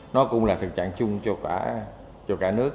nó cũng là thực trạng chung cho cả nước